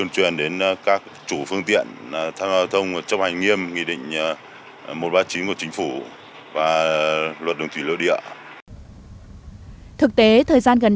nhiều chủ phương tiện di chuyển dọc tuyến sông hồng đã ý thức hơn